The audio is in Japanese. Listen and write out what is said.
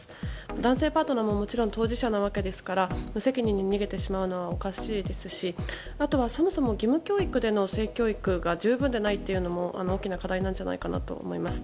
男性パートナーももちろん当事者なわけですから無責任に逃げてしまうのはおかしいですしあとはそもそも義務教育での性教育が十分でないというのも大きな課題なんじゃないかと思います。